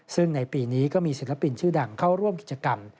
ซึ่งในปีนี้ก็มีศิลปินชื่อดังเข้าร่วมกิจกรรม